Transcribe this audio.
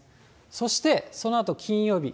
そしてそのあと金曜日。